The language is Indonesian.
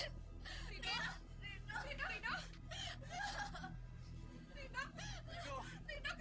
aku gak bisa kemana kmana kata entah dulu atau tidak